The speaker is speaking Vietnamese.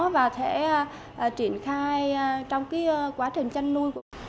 và thể triển khai trong cái quá trình chanh nuôi